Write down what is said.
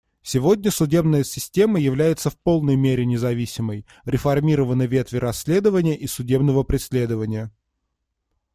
Сегодня судебная система является в полной мере независимой; реформированы ветви расследования и судебного преследования.